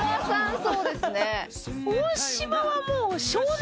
そうですね